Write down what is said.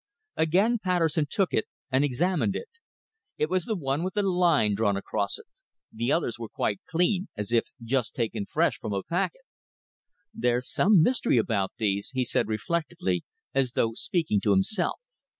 Again Patterson took it and examined it. It was the one with the line drawn across it. The others were quite clean, as if just taken fresh from a packet. "There's some mystery about these," he said reflectively, as though speaking to himself.